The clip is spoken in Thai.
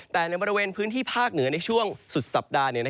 แต่ในบริเวณพื้นที่ภาคเหนือในช่วงสุดสัปดาห์